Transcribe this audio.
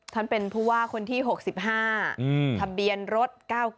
ท่านเป็นผู้ว่าคนที่๖๕ทะเบียนรถ๙๙